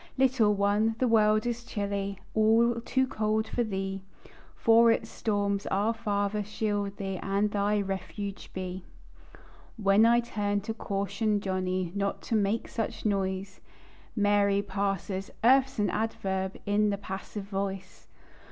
Little one, the world is chilly, All too cold for thee; From its storms "Our Father" shield thee, And thy refuge be. While I turn to caution Johnny Not to make such noise; Mary parses: "Earth's an adverb, In the passive voice."